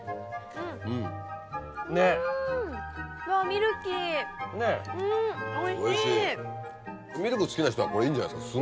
ミルク好きな人はこれいいんじゃないですか。